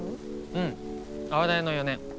うん青大の４年。